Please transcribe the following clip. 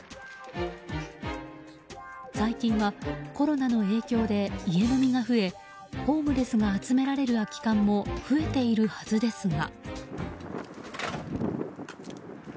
最近は、コロナの影響で家飲みが増えホームレスが集められる空き缶も増えているはずですが。